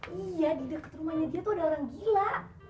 iya di dekat rumahnya dia tuh ada orang gila